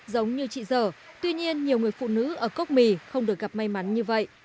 giống như chị dở tuy nhiên nhiều người phụ nữ ở cốc mì không được gặp may mắn như vậy